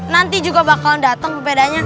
nanti juga bakalan dateng sepedanya